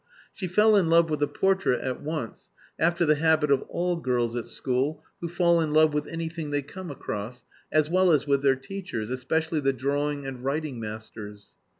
She fell in love with the portrait at once, after the habit of all girls at school who fall in love with anything they come across, as well as with their teachers, especially the drawing and writing masters.